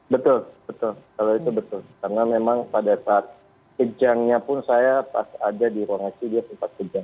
betul betul kalau itu betul karena memang pada saat kejangnya pun saya pas ada di ruang icu dia sempat kejang